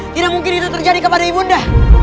tidak mungkin itu terjadi kepada ibu bunda